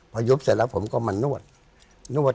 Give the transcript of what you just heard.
พอยุบเสร็จแล้วผมก็มานวดนวด